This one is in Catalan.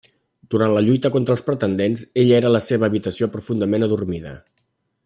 Durant la lluita contra els pretendents, ella era a la seva habitació profundament adormida.